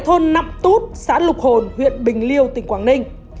hệ thôn năm tút xã lục hồn huyện bình liêu tỉnh quảng ninh